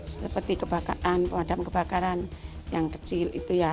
seperti kebakaran pemadam kebakaran yang kecil itu ya